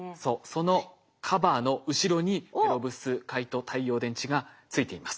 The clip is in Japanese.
そのカバーの後ろにペロブスカイト太陽電池がついています。